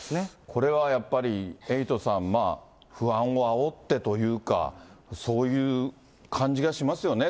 これはやっぱり、エイトさん、不安をあおってというか、そういう感じがしますよね。